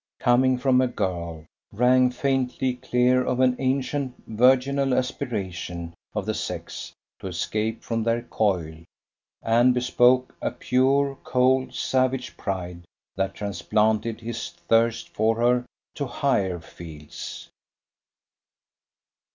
coming from a girl, rang faintly clear of an ancient virginal aspiration of the sex to escape from their coil, and bespoke a pure, cold, savage pride that transplanted his thirst for her to higher fields.